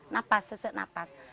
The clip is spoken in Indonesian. napas sesek napas